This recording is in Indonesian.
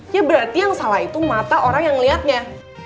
ya berarti yang salah itu mata orang yang melihatnya